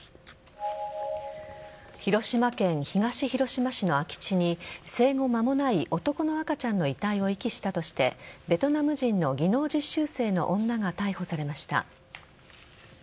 広島県東広島市の空き地に生後間もない男の赤ちゃんの遺体を遺棄したとしてベトナム人の技能実習生の女が逮捕されました。